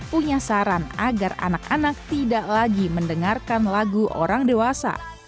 punya saran agar anak anak tidak lagi mendengarkan lagu orang dewasa